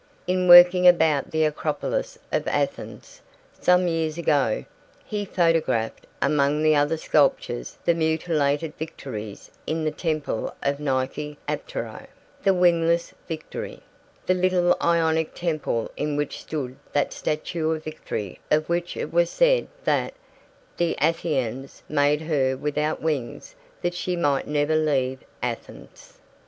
In working about the Acropolis of Athens, some years ago, he photographed among other sculptures the mutilated Victories in the Temple of Nike Apteros, the 'Wingless Victory,' the little Ionic temple in which stood that statue of Victory of which it was said that 'the Athenians made her without wings that she might never leave Athens.'